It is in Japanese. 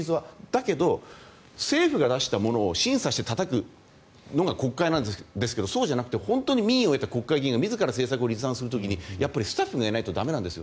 だけど政府が出したものを審査してたたくのが国会なんですが本当に民意を得た国会議員が自ら政策を立案する時にやっぱりスタッフがいないと駄目なんです。